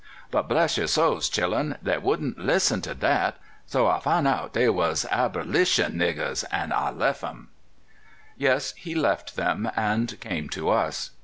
But, bless 3'er souls, chillun, dey wouldn't lis'en to dat — so I fozui' out dey was ahherlisheii niggers^ an' I lef 'em!'' Yes, he left them, and came to us.